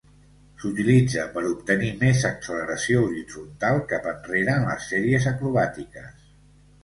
S'utilitza per obtenir més acceleració horitzontal cap enrere en les sèries acrobàtiques.